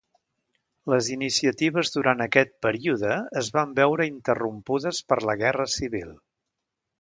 Les iniciatives durant aquest període es van veure interrompudes per la Guerra Civil.